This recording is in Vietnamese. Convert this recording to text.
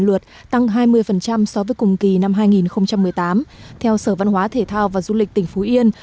luật tăng hai mươi so với cùng kỳ năm hai nghìn một mươi tám theo sở văn hóa thể thao và du lịch tỉnh phú yên